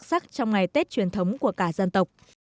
và dân tộc